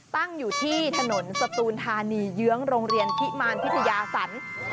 ตั้งอยู่ที่ถนนสตูนธานีเยื้องโรงเรียนพิมารพิทยาศาล